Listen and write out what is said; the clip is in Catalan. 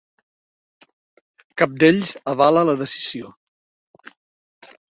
Cap d’ells avala la decisió.